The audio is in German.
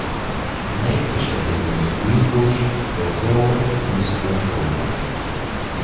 Nächste Städte sind Greenbush, Roseau und Strathcona.